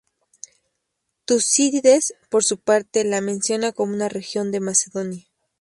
Tucídides, por su parte, la menciona como una región de Macedonia.